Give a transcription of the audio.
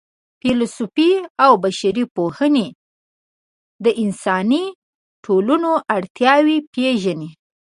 فېلسوفي او بشري پوهنې د انساني ټولنو اړتیاوې پېژني.